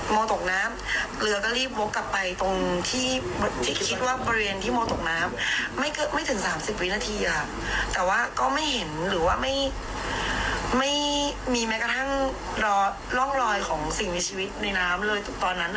ไม่ถึง๓๐วินาทีอ่ะแต่ว่าก็ไม่เห็นหรือว่าไม่มีแม้กระทั่งลองรอยของสิ่งมีชีวิตในน้ำเลยตรงตอนนั้น